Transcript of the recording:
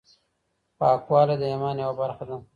پاکوالی د ايمان يوه برخه ده.